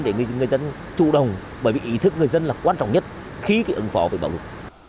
để người dân chủ đồng bởi vì ý thức người dân là quan trọng nhất khi ứng phỏ về bảo lực